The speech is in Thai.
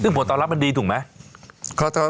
ซึ่งผลตอบรับมันดีถูกไหม